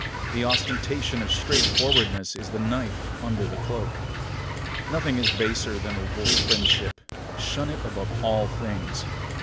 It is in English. The ostentation of straightforwardness is the knife under the cloak. Nothing is baser than wolf friendship. Shun it above all things.